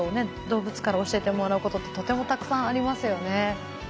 動物から教えてもらうことってとてもたくさんありますよね。